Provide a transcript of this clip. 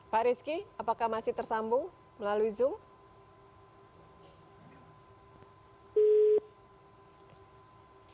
pak rizky apakah masih tersambung melalui zoom